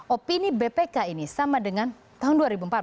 opini bpk ini sama dengan tahun dua ribu empat belas